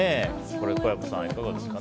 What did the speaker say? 小籔さん、いかがですか？